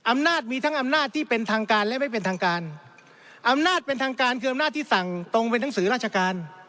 อำนาจมีทั้งอำนาจที่เป็นทางการและไม่เป็นทางการอำนาจเป็นทางการคืออำนาจที่สั่งตรงเป็นหนังสือราชการ